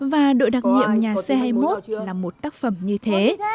và đội đặc nhiệm nhà c hai mươi một là một tác phẩm như thế